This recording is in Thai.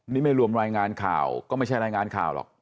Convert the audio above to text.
นี่ไม่รวมรายงานข่าวก็ไม่ใช่รายงานข่าวหรอก